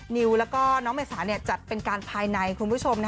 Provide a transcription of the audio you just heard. นิวแล้วก็น้องเมษาจัดเป็นการภายในคุณผู้ชม